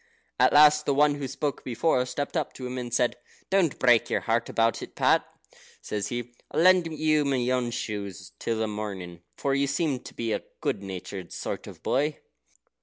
At last the one who spoke before stepped up to him, and "Don't break your heart about it, Pat," says he; "I'll lend you my own shoes till the morning, for you seem to be a good natured sort of a boy."